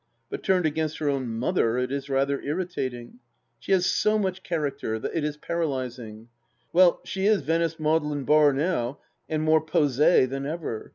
But turned against her own mother it is rather irritating. She has so much character that it is paralysing. ... Well, she is Venice Magdalen Bar now, and more posie than ever.